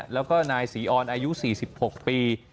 แล้วก็นายศรีออนอายุ๔๖ปี